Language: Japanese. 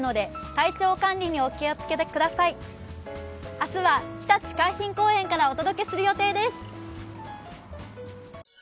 明日はひたち海浜公園からお届けする予定です。